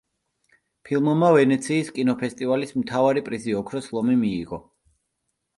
ფილმმა ვენეციის კინოფესტივალის მთავარი პრიზი ოქროს ლომი მიიღო.